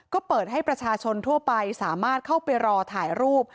ก็เปิดให้ประชาชนทั่วไปสามารถเข้าไปรอถ่ายรูป